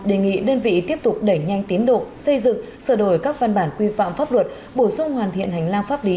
đề nghị đơn vị tiếp tục đẩy nhanh tiến độ xây dựng sửa đổi các văn bản quy phạm pháp luật bổ sung hoàn thiện hành lang pháp lý